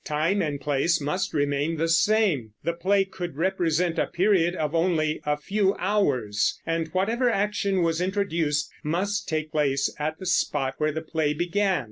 Time and place must remain the same; the play could represent a period of only a few hours, and whatever action was introduced must take place at the spot where the play began.